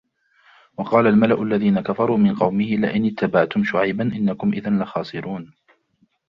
وَقَالَ الْمَلَأُ الَّذِينَ كَفَرُوا مِنْ قَوْمِهِ لَئِنِ اتَّبَعْتُمْ شُعَيْبًا إِنَّكُمْ إِذًا لَخَاسِرُونَ